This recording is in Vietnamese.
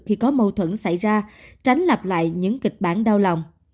khi có mâu thuẫn xảy ra tránh lặp lại những kịch bản đau lòng